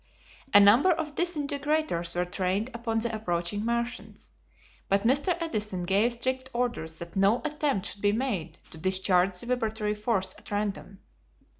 A number of disintegrators were trained upon the approaching Martians, but Mr. Edison gave strict orders that no attempt should be made to discharge the vibratory force at random.